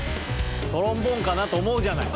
トロンボーンかなと思うじゃない。